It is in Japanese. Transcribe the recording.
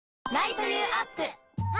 あ！